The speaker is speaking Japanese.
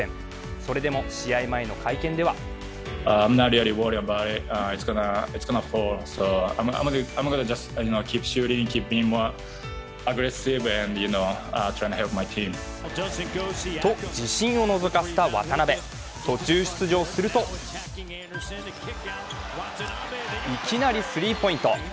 それでも試合前の会見ではと自信をのぞかせた渡邊途中出場するといきなりスリーポイント。